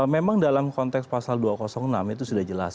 memang dalam konteks pasal dua ratus enam itu sudah jelas